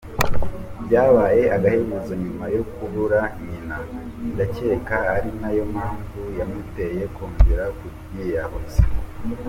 Byabaye agahebuzo nyuma yo kubura nyina, ndakeka ari nayo mpamvu yamuteye kongera kubyiyahuza.